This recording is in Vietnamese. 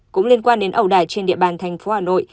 cũng liên quan đến ẩu đải trên địa bàn thành phố hà nội